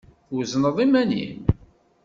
Twezneḍ iman-im?